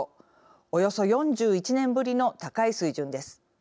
およそ４１年ぶりの高い水準です。